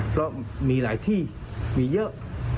เพราะมีหลายที่มีเยอะ